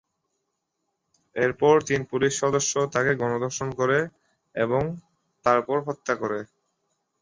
এরপর তিন পুলিশ সদস্য তাকে গণধর্ষণ করে এবং তারপর হত্যা করে।